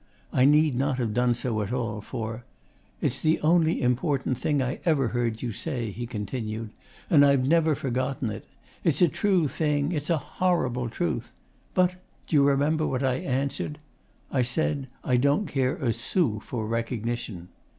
I need not have done so at all, for 'It's the only important thing I ever heard you say,' he continued. 'And I've never forgotten it. It's a true thing. It's a horrible truth. But d'you remember what I answered? I said "I don't care a sou for recognition."